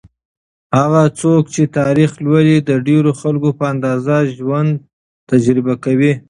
هغه څوک چې تاریخ لولي، د ډېرو خلکو په اندازه ژوند تجربه کوي.